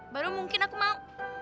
baru mungkin aku mau